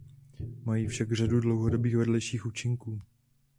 Mají však řadu dlouhodobých vedlejších účinků.